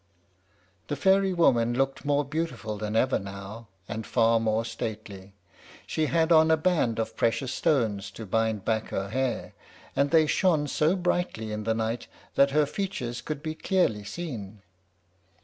The fairy woman looked more beautiful than ever now, and far more stately. She had on a band of precious stones to bind back her hair, and they shone so brightly in the night that her features could be clearly seen.